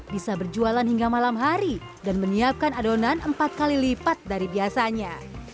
bisa berjualan hingga malam hari dan menyiapkan adonan empat kali lipat dari biasanya